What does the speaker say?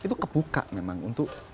itu kebuka memang untuk